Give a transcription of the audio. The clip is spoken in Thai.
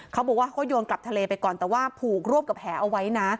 เขาบอกว่าเขาโยนกลับทะเลไปก่อนแต่ว่าผูกรวบกับแหเอาไว้นะ